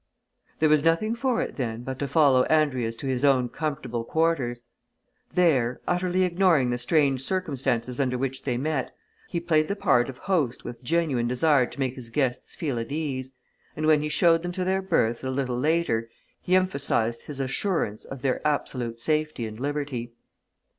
There was nothing for it, then, but to follow Andrius to his own comfortable quarters. There, utterly ignoring the strange circumstances under which they met, he played the part of host with genuine desire to make his guests feel at ease, and when he showed them to their berths, a little later, he emphasized his assurance of their absolute safety and liberty.